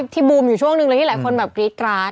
บูมอยู่ช่วงหนึ่งเลยที่หลายคนแบบกรี๊ดกราด